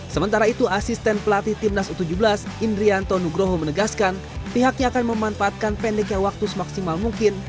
sementara itu asisten pelatih timnas u tujuh belas indrianto nugroho menegaskan pihaknya akan memanfaatkan pendeknya waktu semaksimal mungkin